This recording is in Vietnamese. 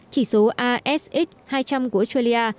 chỉ số asx hai trăm linh của australia